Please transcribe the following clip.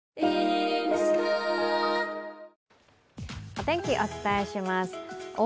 お天気、お伝えします。